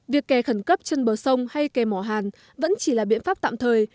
việc kè khẩn cấp chân bờ sông hay kè mỏ hàn vẫn chỉ là biện pháp tạm thời